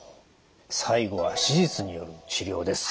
最後は手術による治療です。